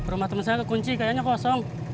rumah temen saya gak kunci kayaknya kosong